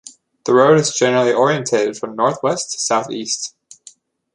The road is generally orientated from northwest to southeast.